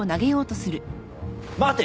待て！